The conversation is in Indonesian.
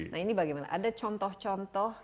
nah ini bagaimana ada contoh contoh